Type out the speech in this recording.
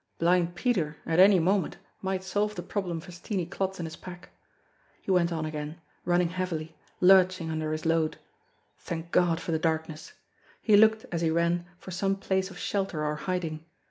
Blind Peter, at any moment, might solve the problem for Steenie Klotz and his pack! He went on again, running heavily, lurching under his load. Thank God for the darkness ! He looked, as he ran, for some place of shelter or hiding.